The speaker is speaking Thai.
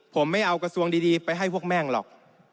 ผมไม่เอากระทรวงดีไปให้พวกแม่งหรอก